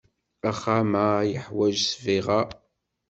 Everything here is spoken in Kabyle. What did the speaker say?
Axxam-a yeḥwaj ssbiɣa.